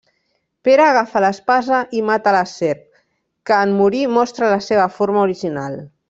Pere agafa l'espasa i mata la serp, que en morir mostra la seva forma original.